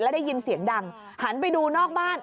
ได้ยินเสียงดังหันไปดูนอกบ้าน